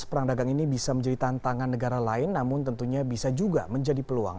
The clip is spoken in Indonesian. perang dagang ini bisa menjadi tantangan negara lain namun tentunya bisa juga menjadi peluang